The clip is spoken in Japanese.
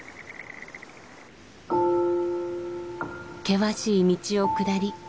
険しい道を下り